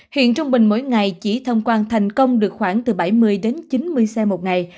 hiện trung bình mỗi ngày chỉ thông quan thành công được khoảng từ bảy mươi đến chín mươi xe một ngày